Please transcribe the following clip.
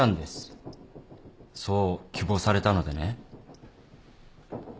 そう希望されたのでね。